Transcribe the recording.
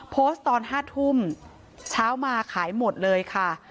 ตอน๕ทุ่มเช้ามาขายหมดเลยค่ะ